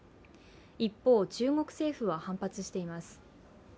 一方、中国政府は反発しています。